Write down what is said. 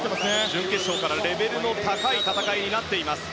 準決勝からレベルの高い戦いになっています。